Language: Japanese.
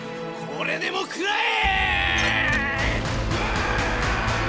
これでも食らえ！